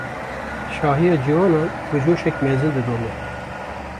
Şahiya Ciwanan, bi coşek mezin didome